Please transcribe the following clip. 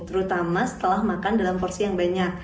terutama setelah makan dalam porsi yang banyak